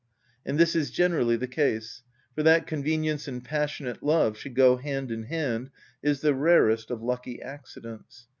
And this is generally the case; for that convenience and passionate love should go hand in hand is the rarest of lucky accidents.